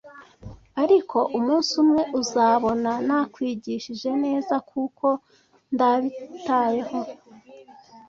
Ariko umunsi umwe uzabona, nakwigishije neza kuko ndabitayeho.